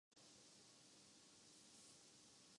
خاتون انڈیا میں سستے اور لذیذ کھانوں